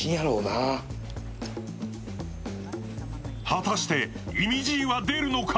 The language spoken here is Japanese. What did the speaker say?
果たして、いみじーは出るのか？